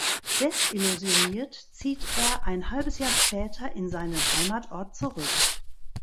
Desillusioniert zieht er ein halbes Jahr später in seinen Heimatort zurück.